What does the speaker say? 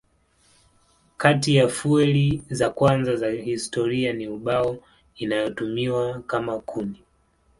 Kati ya fueli za kwanza za historia ni ubao inayotumiwa kama kuni.